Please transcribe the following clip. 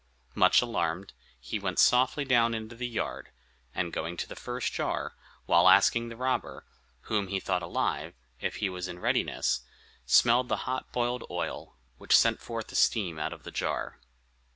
Much alarmed, he went softly down into the yard, and going to the first jar, while asking the robber, whom he thought alive, if he was in readiness, smelled the hot boiled oil, which sent forth a steam out of the jar.